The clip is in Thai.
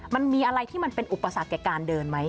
มันมีอะไรที่มันเป็นอุปสรรคแก่การเดินไหม